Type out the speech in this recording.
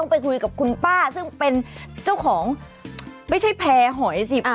ไปคุยกับคุณป้าซึ่งเป็นเจ้าของไม่ใช่แพร่หอยสิ